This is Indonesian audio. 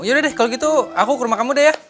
yaudah deh kalau gitu aku kurma kamu deh ya